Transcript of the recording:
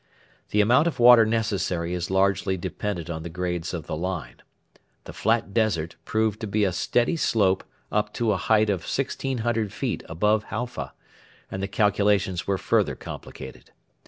The amount of water necessary is largely dependent on the grades of the line. The 'flat desert' proved to be a steady slope up to a height of 1,600 feet above Halfa, and the calculations were further complicated.